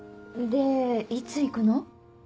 でいつ行くの？